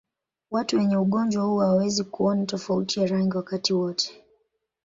Watu wenye ugonjwa huu hawawezi kuona tofauti ya rangi wakati wote.